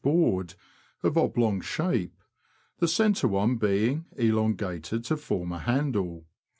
board, of oblong shape, the centre one being elongated to form a handle.